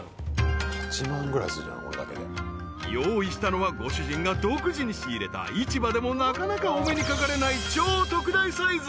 ［用意したのはご主人が独自に仕入れた市場でもなかなかお目にかかれない超特大サイズ］